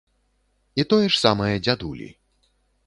І тое ж самае дзядулі.